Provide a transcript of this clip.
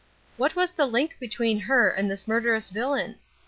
What was the link between her and this murderous villain?